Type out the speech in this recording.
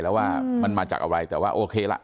แล้วว่ามันมาจากอะไรแต่ว่าโอเคล่ะ